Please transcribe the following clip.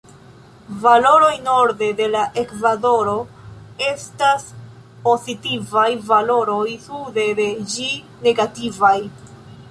Valoroj norde de la ekvatoro estas pozitivaj, valoroj sude de ĝi negativaj.